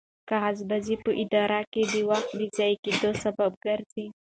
کاغذبازي په ادارو کې د وخت د ضایع کېدو سبب ګرځي.